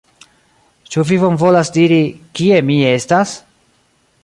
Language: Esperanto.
Ĉu vi bonvolas diri, kie mi estas?